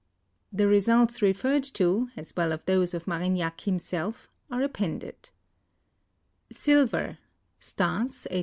The results referred to, as well as those of Marignac himself, are appended: Stas (i860).